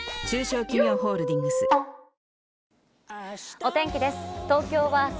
お天気です。